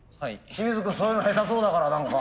清水君そういうの下手そうだから何か。